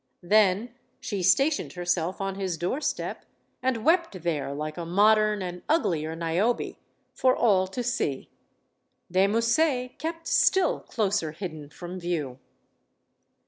Then she stationed herself on his doorstep and wept there, like a modern and uglier Niobe, for all to see De Musset kept still closer hidden from view.